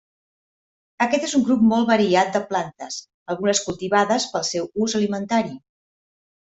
Aquest és un grup molt variat de plantes, algunes cultivades pel seu ús alimentari.